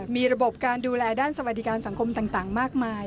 มีระบบการดูแลด้านสวัสดิการสังคมต่างมากมาย